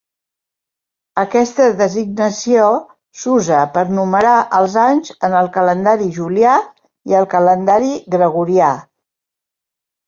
Aquesta designació s'usa per numerar els anys en el calendari julià i el calendari gregorià.